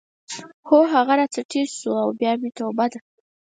خو هغه راڅخه ټیز شو او بیا مې توبه ده.